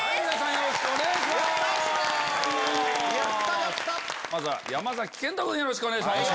よろしくお願いします。